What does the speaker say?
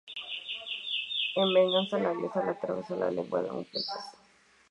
En venganza, la diosa le atravesó la lengua de un flechazo.